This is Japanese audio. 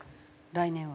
来年は。